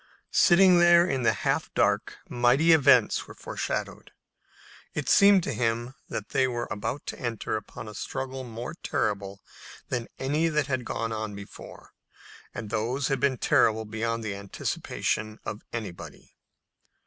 Sitting there in the half dark mighty events were foreshadowed. It seemed to him that they were about to enter upon a struggle more terrible than any that had gone before, and those had been terrible beyond the anticipation of anybody.